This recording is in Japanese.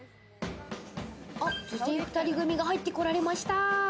女性２人組が入ってこられました。